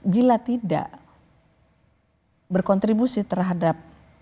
bila tidak berkontribusi terhadap